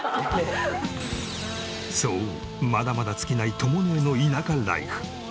そうまだまだ尽きないとも姉の田舎ライフ。